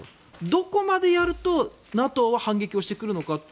どこまでやるとＮＡＴＯは反撃をしてくるのか。